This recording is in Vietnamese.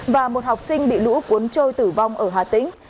và một học sinh bị lũ cuốn trôi tử vong ở hà tĩnh